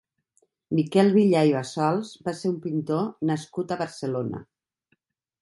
Miquel Villà i Bassols va ser un pintor nascut a Barcelona.